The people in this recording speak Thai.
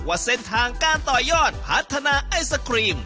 ว่าเส้นทางการต่อยอดพัฒนาไอศครีม